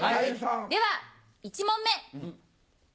では１問目。